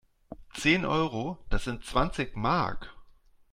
Zehn Euro? Das sind zwanzig Mark!